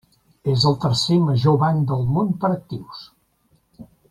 És el tercer major banc del món per actius.